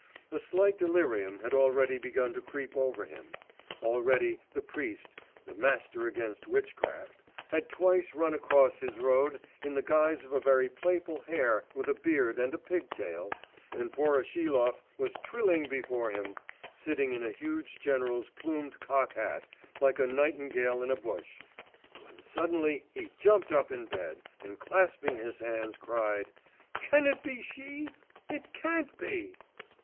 A slight delirium had already begun to creep over him; already the priest, 'the master against witchcraft' had twice run across his road in the guise of a very playful hare with a beard and a pig tail, and Voroshilov was trilling before him, sitting in a huge general's plumed cock hat like a nightingale in a bush.... When suddenly he jumped up in bed, and clasping his hands, cried, 'Can it be she? it can't be!